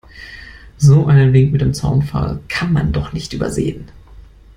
So einen Wink mit dem Zaunpfahl kann man doch nicht übersehen.